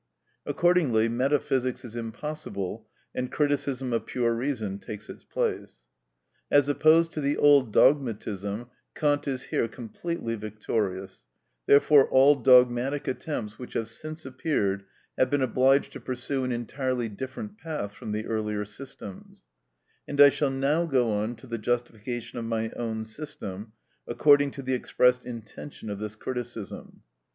Accordingly metaphysics is impossible, and criticism of pure reason takes its place. As opposed to the old dogmatism, Kant is here completely victorious; therefore all dogmatic attempts which have since appeared have been obliged to pursue an entirely different path from the earlier systems; and I shall now go on to the justification of my own system, according to the expressed intention of this criticism.